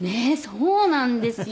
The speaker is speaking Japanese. そうなんですよ。